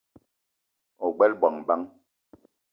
Ogbela bongo bang ?